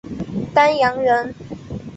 丹阳人。